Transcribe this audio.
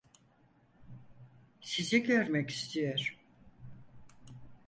Sizi görmek istiyor.